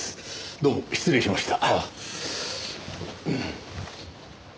どうも失礼しました。